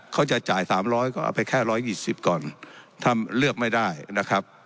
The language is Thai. เขาจะจ่ายสามร้อยก็เอาไปแค่ร้อยยี่สิบก่อนถ้าเลือกไม่ได้นะครับ